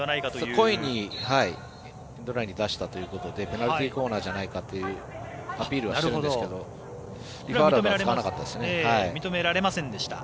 故意にエンドラインに出したということでペナルティーコーナーじゃないかというアピールをしているんですけどリファーラルは使いませんでしたね。